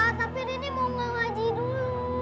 iya pak tapi rini mau mengajih dulu